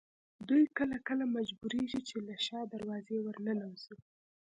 دوی کله کله مجبورېږي چې له شا دروازې ورننوځي.